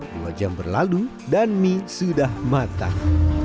dua jam berlalu dan mie sudah matang